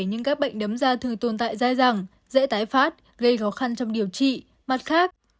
nhưng các bệnh đấm da thường tồn tại dài dẳng dễ tái phát gây khó khăn trong điều trị mặt khác